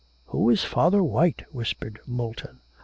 'Who is Father White?' whispered Moulton.